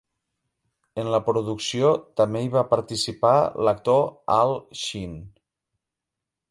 En la producció també hi va participar l'actor Al Shean.